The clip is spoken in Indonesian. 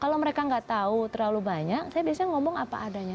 kalau mereka nggak tahu terlalu banyak saya biasanya ngomong apa adanya